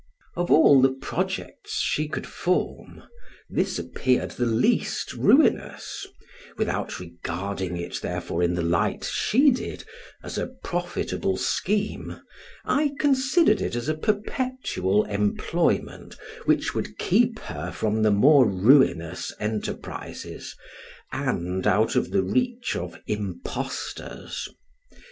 Of all the projects she could form, this appeared the least ruinous: without regarding it, therefore, in the light she did, as a profitable scheme, I considered it as a perpetual employment, which would keep her from more ruinous enterprises, and out of the reach of impostors.